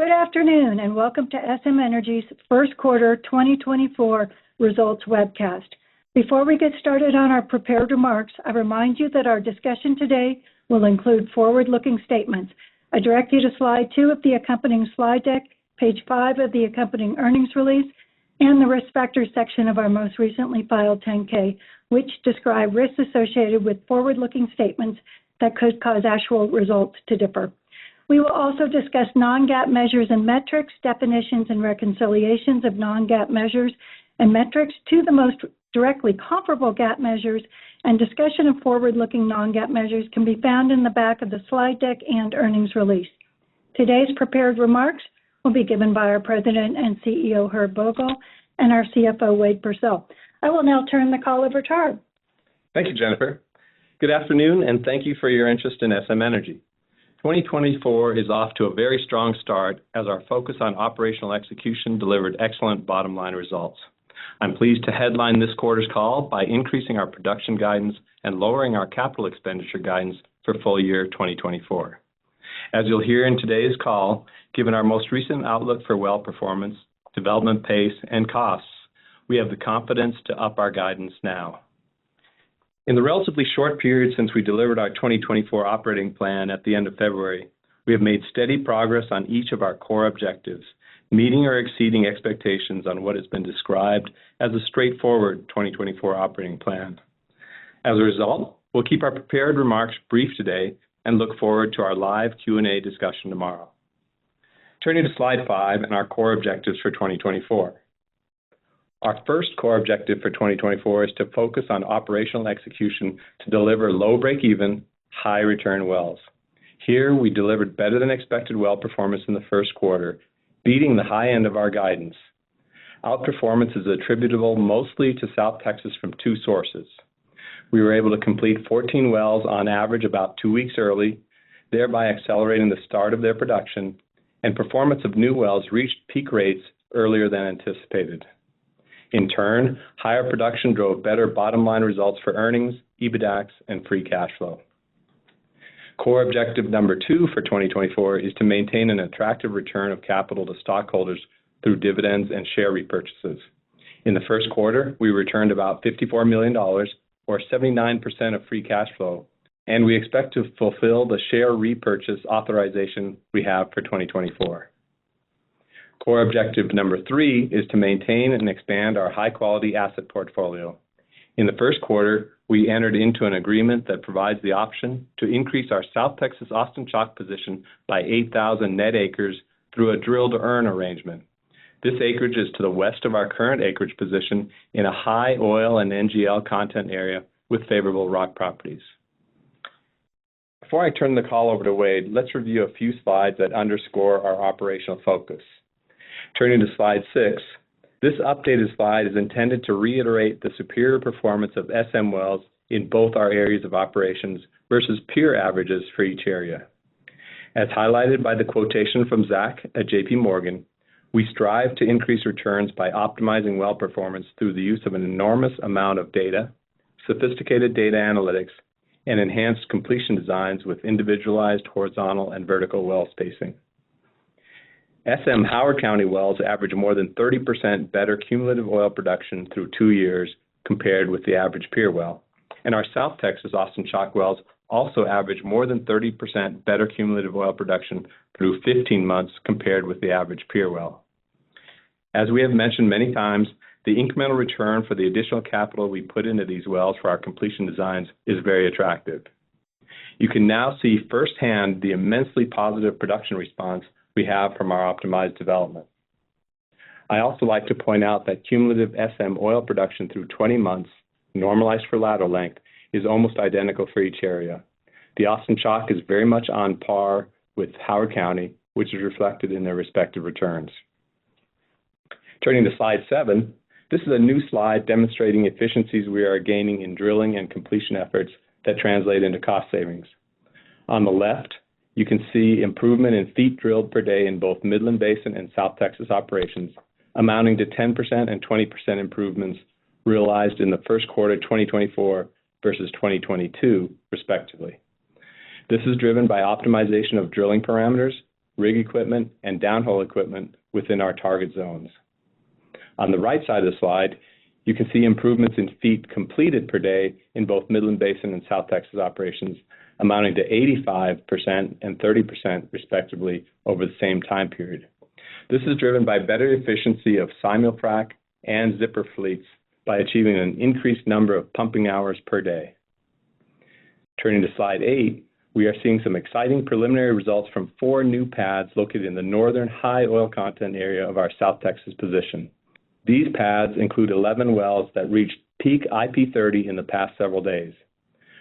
Good afternoon and welcome to SM Energy's first quarter 2024 results webcast. Before we get started on our prepared remarks, I remind you that our discussion today will include forward-looking statements. I direct you to slide two of the accompanying slide deck, page five of the accompanying earnings release, and the risk factors section of our most recently filed 10-K, which describe risks associated with forward-looking statements that could cause actual results to differ. We will also discuss non-GAAP measures and metrics, definitions, and reconciliations of non-GAAP measures and metrics to the most directly comparable GAAP measures, and discussion of forward-looking non-GAAP measures can be found in the back of the slide deck and earnings release. Today's prepared remarks will be given by our President and CEO, Herb Vogel, and our CFO, Wade Pursell. I will now turn the call over to Herb. Thank you, Jennifer. Good afternoon and thank you for your interest in SM Energy. 2024 is off to a very strong start as our focus on operational execution delivered excellent bottom-line results. I'm pleased to headline this quarter's call by increasing our production guidance and lowering our capital expenditure guidance for full year 2024. As you'll hear in today's call, given our most recent outlook for well performance, development pace, and costs, we have the confidence to up our guidance now. In the relatively short period since we delivered our 2024 operating plan at the end of February, we have made steady progress on each of our core objectives, meeting or exceeding expectations on what has been described as a straightforward 2024 operating plan. As a result, we'll keep our prepared remarks brief today and look forward to our live Q&A discussion tomorrow. Turning to slide five and our core objectives for 2024. Our first core objective for 2024 is to focus on operational execution to deliver low break-even, high return wells. Here, we delivered better than expected well performance in the first quarter, beating the high end of our guidance. Outperformance is attributable mostly to South Texas from two sources. We were able to complete 14 wells on average about two weeks early, thereby accelerating the start of their production, and performance of new wells reached peak rates earlier than anticipated. In turn, higher production drove better bottom-line results for earnings, EBITDAs, and free cash flow. Core objective number two for 2024 is to maintain an attractive return of capital to stockholders through dividends and share repurchases. In the first quarter, we returned about $54 million or 79% of free cash flow, and we expect to fulfill the share repurchase authorization we have for 2024. Core objective number three is to maintain and expand our high-quality asset portfolio. In the first quarter, we entered into an agreement that provides the option to increase our South Texas Austin Chalk position by 8,000 net acres through a drill-to-earn arrangement. This acreage is to the west of our current acreage position in a high oil and NGL content area with favorable rock properties. Before I turn the call over to Wade, let's review a few slides that underscore our operational focus. Turning to slide six, this updated slide is intended to reiterate the superior performance of SM wells in both our areas of operations versus peer averages for each area. As highlighted by the quotation from Zach at JPMorgan, we strive to increase returns by optimizing well performance through the use of an enormous amount of data, sophisticated data analytics, and enhanced completion designs with individualized horizontal and vertical well spacing. SM Howard County wells average more than 30% better cumulative oil production through two years compared with the average peer well, and our South Texas Austin Chalk wells also average more than 30% better cumulative oil production through 15 months compared with the average peer well. As we have mentioned many times, the incremental return for the additional capital we put into these wells for our completion designs is very attractive. You can now see firsthand the immensely positive production response we have from our optimized development. I also like to point out that cumulative SM oil production through 20 months, normalized for ladder length, is almost identical for each area. The Austin Chalk is very much on par with Howard County, which is reflected in their respective returns. Turning to slide seven, this is a new slide demonstrating efficiencies we are gaining in drilling and completion efforts that translate into cost savings. On the left, you can see improvement in feet drilled per day in both Midland Basin and South Texas operations, amounting to 10% and 20% improvements realized in the first quarter 2024 versus 2022, respectively. This is driven by optimization of drilling parameters, rig equipment, and downhole equipment within our target zones. On the right side of the slide, you can see improvements in feet completed per day in both Midland Basin and South Texas operations, amounting to 85% and 30%, respectively, over the same time period. This is driven by better efficiency of simul-frac and zipper fleets by achieving an increased number of pumping hours per day. Turning to slide eight, we are seeing some exciting preliminary results from four new pads located in the northern high oil content area of our South Texas position. These pads include 11 wells that reached peak IP30 in the past several days.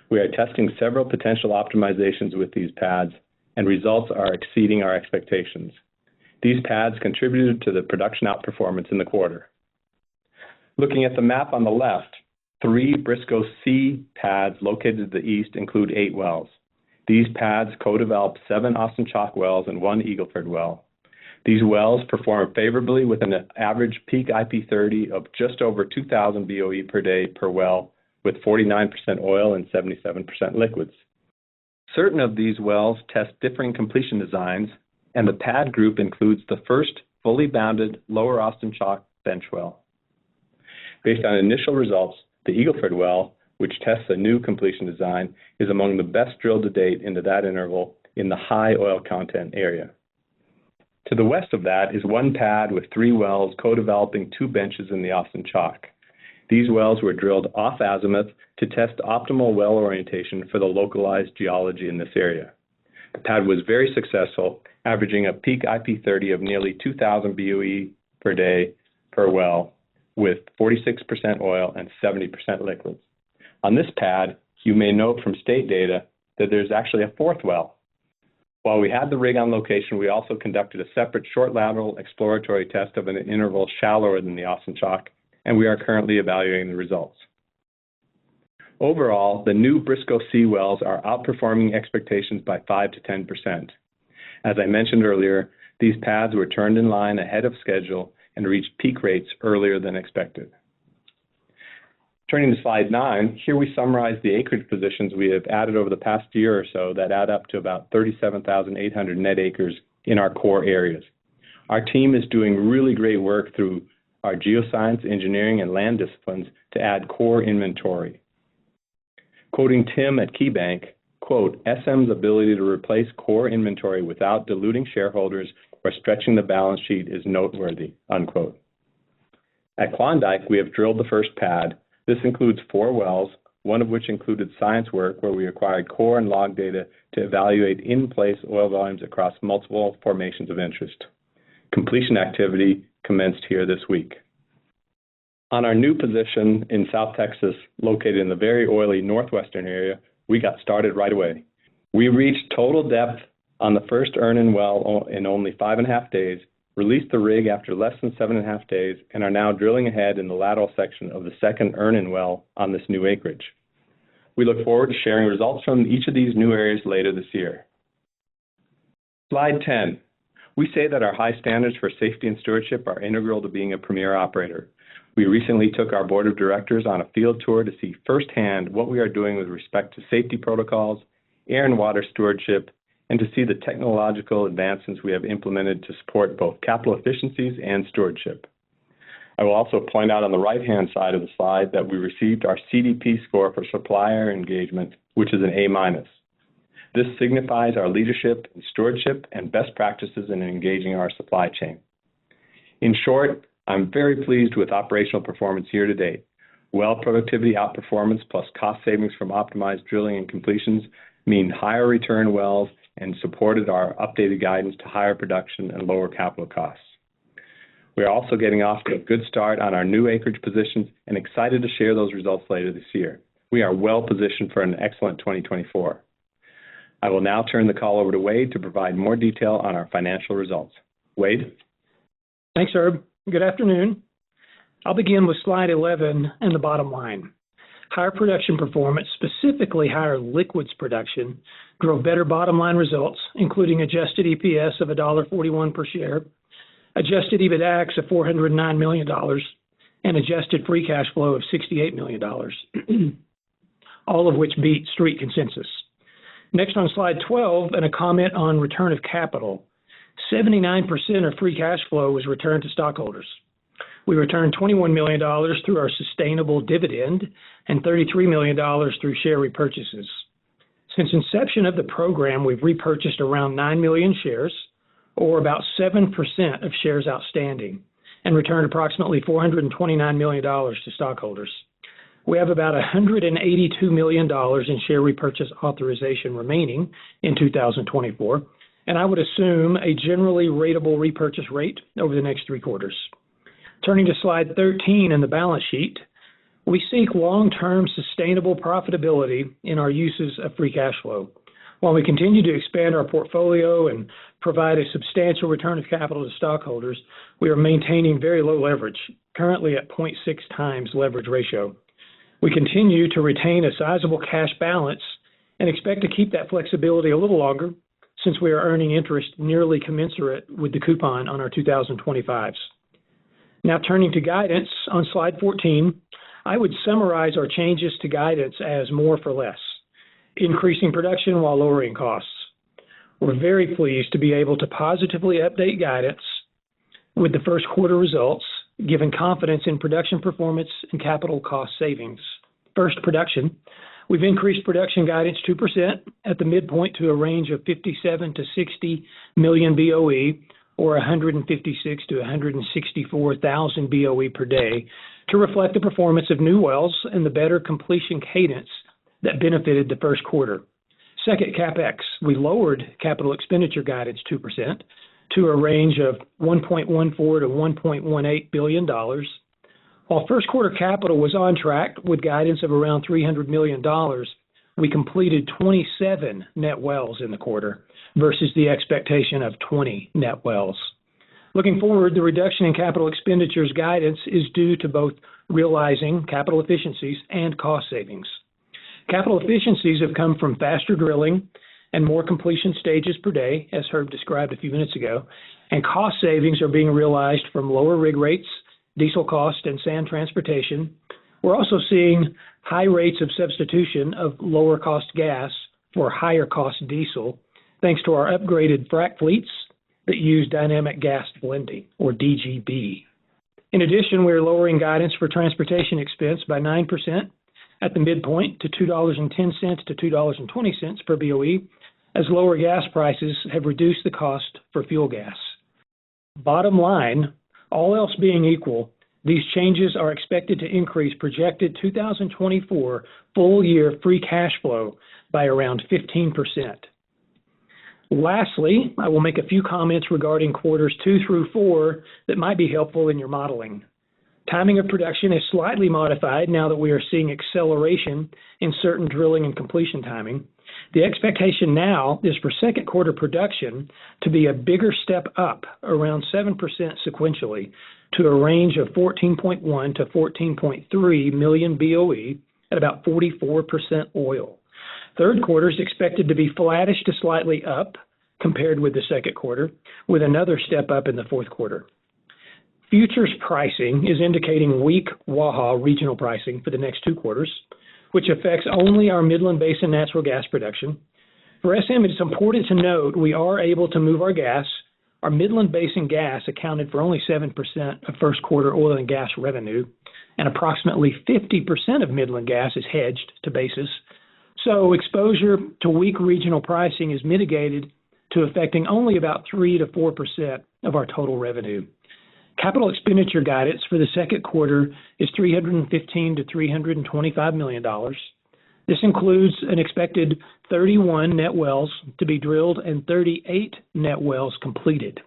We are testing several potential optimizations with these pads, and results are exceeding our expectations. These pads contributed to the production outperformance in the quarter. Looking at the map on the left, three Briscoe C pads located to the east include eight wells. These pads co-developed seven Austin Chalk wells and one Eagle Ford well. These wells performed favorably with an average peak IP30 of just over 2,000 BOE per day per well, with 49% oil and 77% liquids. Certain of these wells test differing completion designs, and the pad group includes the first fully bounded lower Austin Chalk bench well. Based on initial results, the Eagle Ford well, which tests a new completion design, is among the best drilled to date into that interval in the high oil content area. To the west of that is one pad with three wells co-developing two benches in the Austin Chalk. These wells were drilled off azimuth to test optimal well orientation for the localized geology in this area. The pad was very successful, averaging a peak IP30 of nearly 2,000 BOE per day per well, with 46% oil and 70% liquids. On this pad, you may note from state data that there's actually a fourth well. While we had the rig on location, we also conducted a separate short lateral exploratory test of an interval shallower than the Austin Chalk, and we are currently evaluating the results. Overall, the new Briscoe C wells are outperforming expectations by 5%-10%. As I mentioned earlier, these pads were turned in line ahead of schedule and reached peak rates earlier than expected. Turning to slide nine, here we summarize the acreage positions we have added over the past year or so that add up to about 37,800 net acres in our core areas. Our team is doing really great work through our geoscience, engineering, and land disciplines to add core inventory. Quoting Tim at KeyBanc, "SM's ability to replace core inventory without diluting shareholders or stretching the balance sheet is noteworthy." At Klondike, we have drilled the first pad. This includes four wells, one of which included science work where we acquired core and log data to evaluate in-place oil volumes across multiple formations of interest. Completion activity commenced here this week. On our new position in South Texas, located in the very oily northwestern area, we got started right away. We reached total depth on the first earn-in well in only five and a half days, released the rig after less than seven and a half days, and are now drilling ahead in the lateral section of the second earn-in well on this new acreage. We look forward to sharing results from each of these new areas later this year. Slide 10. We say that our high standards for safety and stewardship are integral to being a premier operator. We recently took our board of directors on a field tour to see firsthand what we are doing with respect to safety protocols, air and water stewardship, and to see the technological advancements we have implemented to support both capital efficiencies and stewardship. I will also point out on the right-hand side of the slide that we received our CDP score for supplier engagement, which is an A minus. This signifies our leadership in stewardship and best practices in engaging our supply chain. In short, I'm very pleased with operational performance here to date. Well productivity outperformance plus cost savings from optimized drilling and completions mean higher return wells and supported our updated guidance to higher production and lower capital costs. We are also getting off to a good start on our new acreage positions and excited to share those results later this year. We are well positioned for an excellent 2024. I will now turn the call over to Wade to provide more detail on our financial results. Wade? Thanks, Herb. Good afternoon. I'll begin with slide 11 and the bottom line. Higher production performance, specifically higher liquids production, drove better bottom-line results, including adjusted EPS of $1.41 per share, adjusted EBITDA of $409 million, and adjusted free cash flow of $68 million, all of which beat Street consensus. Next, on slide 12 and a comment on return of capital, 79% of free cash flow was returned to stockholders. We returned $21 million through our sustainable dividend and $33 million through share repurchases. Since inception of the program, we've repurchased around nine million shares, or about 7% of shares outstanding, and returned approximately $429 million to stockholders. We have about $182 million in share repurchase authorization remaining in 2024, and I would assume a generally ratable repurchase rate over the next three quarters. Turning to slide 13 and the balance sheet, we seek long-term sustainable profitability in our uses of free cash flow. While we continue to expand our portfolio and provide a substantial return of capital to stockholders, we are maintaining very low leverage, currently at 0.6 times leverage ratio. We continue to retain a sizable cash balance and expect to keep that flexibility a little longer since we are earning interest nearly commensurate with the coupon on our 2025s. Now, turning to guidance on slide 14, I would summarize our changes to guidance as more for less, increasing production while lowering costs. We're very pleased to be able to positively update guidance with the first quarter results, giving confidence in production performance and capital cost savings. First, production. We've increased production guidance 2% at the midpoint to a range of 57-60 million BOE, or 156,000-164,000 BOE per day, to reflect the performance of new wells and the better completion cadence that benefited the first quarter. Second, CapEx. We lowered capital expenditure guidance 2% to a range of $1.14-$1.18 billion. While first quarter capital was on track with guidance of around $300 million, we completed 27 net wells in the quarter versus the expectation of 20 net wells. Looking forward, the reduction in capital expenditures guidance is due to both realizing capital efficiencies and cost savings. Capital efficiencies have come from faster drilling and more completion stages per day, as Herb described a few minutes ago, and cost savings are being realized from lower rig rates, diesel cost, and sand transportation. We're also seeing high rates of substitution of lower-cost gas for higher-cost diesel, thanks to our upgraded frac fleets that use dynamic gas blending, or DGB. In addition, we are lowering guidance for transportation expense by 9% at the midpoint to $2.10-$2.20 per BOE, as lower gas prices have reduced the cost for fuel gas. Bottom line, all else being equal, these changes are expected to increase projected 2024 full-year free cash flow by around 15%. Lastly, I will make a few comments regarding quarters two through four that might be helpful in your modeling. Timing of production is slightly modified now that we are seeing acceleration in certain drilling and completion timing. The expectation now is for second quarter production to be a bigger step up, around 7% sequentially, to a range of 14.1-14.3 million BOE at about 44% oil. Third quarter is expected to be flattish to slightly up compared with the second quarter, with another step up in the fourth quarter. Futures pricing is indicating weak Waha regional pricing for the next two quarters, which affects only our Midland Basin natural gas production. For SM, it's important to note we are able to move our gas. Our Midland Basin gas accounted for only 7% of first quarter oil and gas revenue, and approximately 50% of Midland gas is hedged to basis. So exposure to weak regional pricing is mitigated to affecting only about 3%-4% of our total revenue. Capital expenditure guidance for the second quarter is $315-$325 million. This includes an expected 31 net wells to be drilled and 38 net wells completed.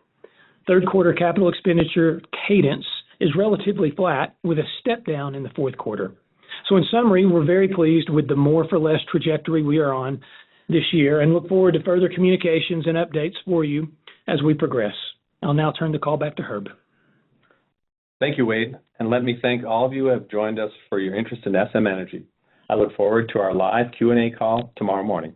Third quarter capital expenditure cadence is relatively flat, with a step down in the fourth quarter. In summary, we're very pleased with the more-for-less trajectory we are on this year and look forward to further communications and updates for you as we progress. I'll now turn the call back to Herb. Thank you, Wade. And let me thank all of you who have joined us for your interest in SM Energy. I look forward to our live Q&A call tomorrow morning.